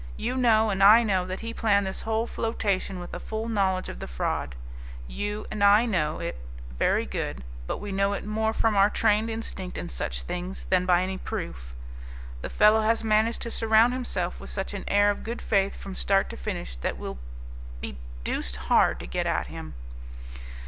You know, and I know that he planned this whole flotation with a full knowledge of the fraud. You and I know it very good but we know it more from our trained instinct in such things than by any proof. The fellow has managed to surround himself with such an air of good faith from start to finish that it will be deuced hard to get at him."